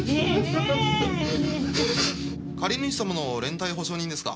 借主様の連帯保証人ですか？